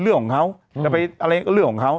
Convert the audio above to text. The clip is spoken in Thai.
เรื่องของเขาจะไปอะไรก็เรื่องของเขา